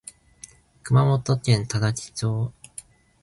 熊本県多良木町